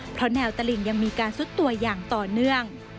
เพราะแนวตลิงยังมีการซุดตัวอย่างต่อเนื่อง